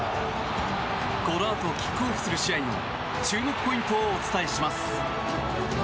このあとキックオフする試合の注目ポイントをお伝えします。